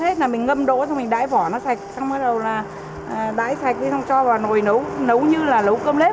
trước hết là mình ngâm đỗ xong mình đãi vỏ nó sạch xong bắt đầu là đãi sạch xong cho vào nồi nấu nấu như là nấu cơm lếp